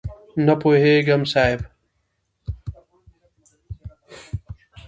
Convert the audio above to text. نه پوهېږم صاحب؟!